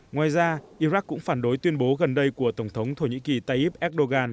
ngoài ra iraq cũng phản đối tuyên bố gần đây của tổng thống thổ nhĩ kỳ tayyip erdogan